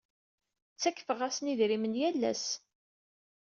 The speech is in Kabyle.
Ttakfeɣ-asen idrimen yal ass.